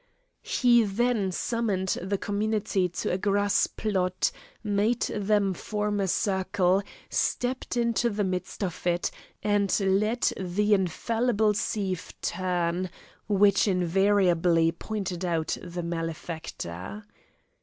He then summoned the community to a grass plot, made them form a circle, stepped into the midst of it, and let the infallible sieve turn, which invariably pointed out the malefactor.